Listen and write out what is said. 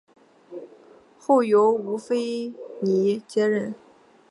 后由吴棐彝接任。